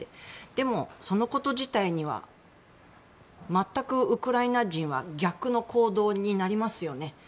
でも、そのこと自体には全くウクライナ人は逆の行動になりますよね。